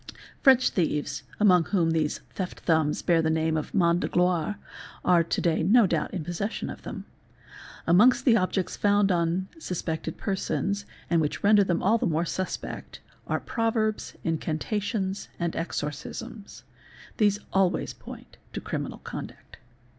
French thieves, among whom these "theft thumbs" bear the name of main de gloire®", are to day no doubt in possession of them. Amongst the objects found on suspected persons and which render them all the more suspect, are | proverbs, incantations, and exorcisms. These always point to criminal conduct.